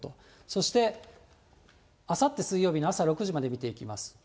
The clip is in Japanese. そして、あさって水曜日の朝６時まで見ていきます。